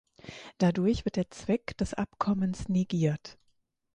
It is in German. Dadurch wird der Zweck des Abkommens negiert.